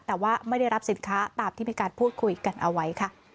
แต่ว่าไม่ได้รับสินค้าตามที่มีการพูดคุยกันเอาไว้ค่ะ